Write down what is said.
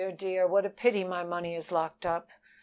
dear! what a pity my money is locked up!